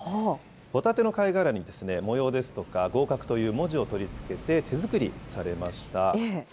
ホタテの貝殻に模様ですとか、合格という文字を取り付けて、手作りされました。